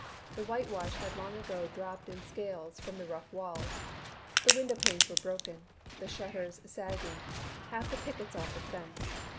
The whitewash had long ago dropped in scales from the rough walls. The window panes were broken, the shutters sagging, half the pickets off the fence.